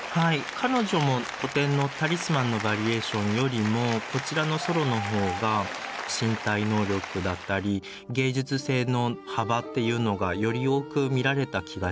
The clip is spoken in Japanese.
彼女も古典の「タリスマン」のバリエーションよりもこちらのソロの方が身体能力だったり芸術性の幅っていうのがより多く見られた気がします。